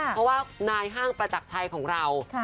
เพราะว่านายห้างประจักรชัยของเรา